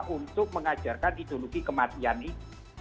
untuk mengajarkan ideologi kematian itu